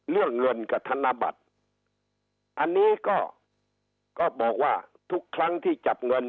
เรื่องเงินกับธนบัตรอันนี้ก็ก็บอกว่าทุกครั้งที่จับเงิน